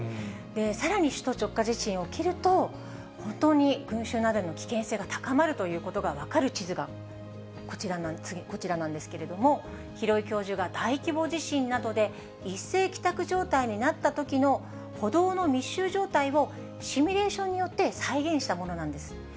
さらに首都直下地震、起きると、本当に群衆雪崩の危険性が高まるということが分かる地図がこちらなんですけれども、廣井教授が大規模地震などで一斉帰宅状態になったときの歩道の密集状態をシミュレーションによって再現したものなんです。